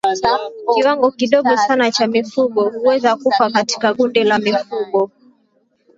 Kiwango kidogo sana cha mifugo huweza kufa katika kundi la mifugo